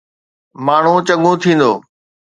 ماڻهو چڱو ٿيندو.